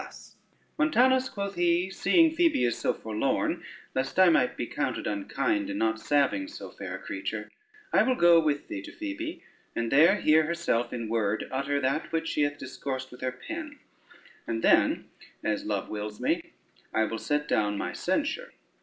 ] "Montanus," quoth he, "seeing Phoebe is so forlorn, lest I might be counted unkind in not salving so fair a creature, I will go with thee to Phoebe, and there hear herself in word utter that which she hath discoursed with her pen; and then, as love wills me, I will set down my censure.